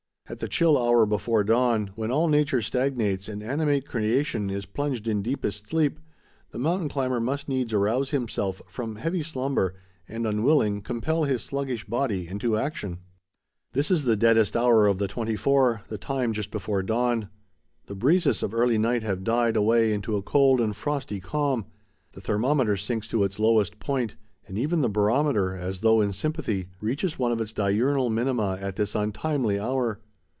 At the chill hour before dawn, when all nature stagnates and animate creation is plunged in deepest sleep, the mountain climber must needs arouse himself from heavy slumber and, unwilling, compel his sluggish body into action. This is the deadest hour of the twenty four—the time just before dawn. The breezes of early night have died away into a cold and frosty calm; the thermometer sinks to its lowest point, and even the barometer, as though in sympathy, reaches one of its diurnal minima at this untimely hour.